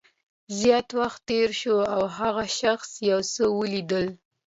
زیات وخت تېر شو او هغه شخص یو څه ولیدل